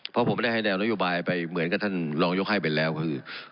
เพราะผมได้ให้แนวนโยบายไปเหมือนกับท่านรองยกให้ไปแล้วก็คือ